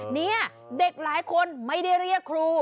เนี่ยเด็กหลายคนไม่ได้เรียกครู